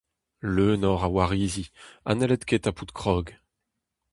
Leun oc’h a warizi ha n’hellit ket tapout krog.